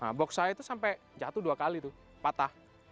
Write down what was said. nah box saya itu sampai jatuh dua kali tuh patah